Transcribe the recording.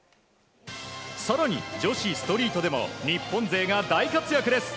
更に、女子ストリートでも日本勢が大活躍です。